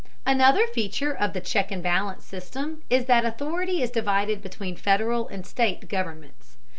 Another feature of the check and balance system is that authority is divided between Federal and state governments.